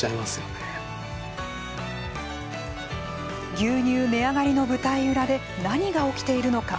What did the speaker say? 牛乳値上がりの舞台裏で何が起きているのか。